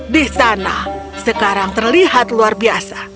di sana sekarang terlihat luar biasa